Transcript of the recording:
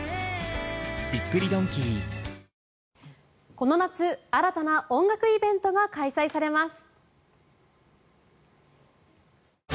この夏新たな音楽イベントが開催されます。